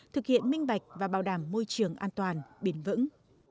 thực hiện minh bạch và bảo đảm môi trường an toàn bền vững